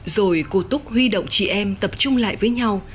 rồi cô túc huy động chị em tập trung lại với nhau